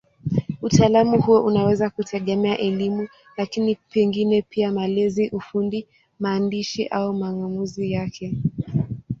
Utaalamu huo unaweza kutegemea elimu, lakini pengine pia malezi, ufundi, maandishi au mang'amuzi yake.